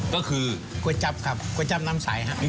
ก็คือก๋วยจับครับก๋วยจับน้ำใสครับ